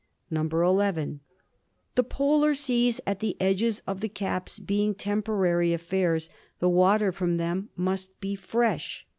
"(11) The polar seas at the edges of the caps being temporary affairs, the water from them must be fresh.